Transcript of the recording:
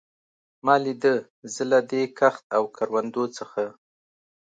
ما لیده، زه له دې کښت او کروندو څخه.